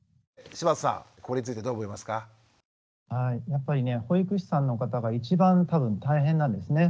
やっぱりね保育士さんの方が一番多分大変なんですね。